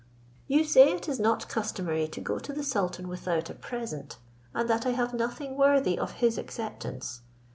"You say it is not customary to go to the sultan without a present, and that I have nothing worthy of his acceptance.